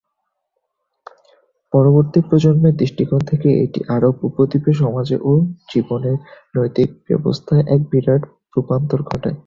পরবর্তী প্রজন্মের দৃষ্টিকোণ থেকে, এটি আরব উপদ্বীপে সমাজে ও জীবনের নৈতিক ব্যবস্থায় এক বিরাট রূপান্তর ঘটায়।